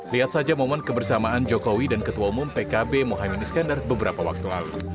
lihat saja momen kebersamaan jokowi dan ketua umum pkb mohaimin iskandar beberapa waktu lalu